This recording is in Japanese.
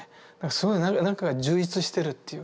すごい何かが充溢してるっていうか。